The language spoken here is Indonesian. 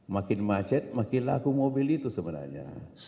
makin macet makin laku mobil itu sebenarnya